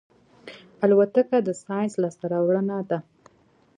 الوتکه د ساینس لاسته راوړنه ده.